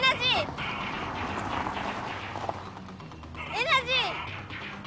エナジー！